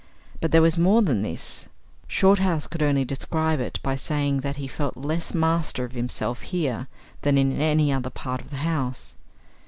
But there was more than this. Shorthouse could only describe it by saying that he felt less master of himself here than in any other part of the house.